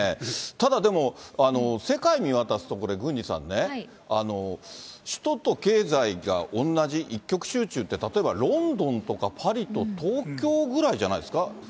ただ、でも世界見渡すと、これ、郡司さんね、首都と経済が同じ、一極集中って、例えばロンドンとかパリと東京ぐらいじゃないですか。